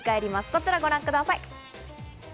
こちらをご覧ください。